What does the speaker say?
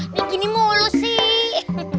begini mulu sih